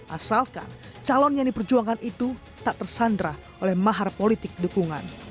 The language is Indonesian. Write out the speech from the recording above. asalkan calon nyanyi perjuangan itu tak tersandrah oleh mahar politik dukungan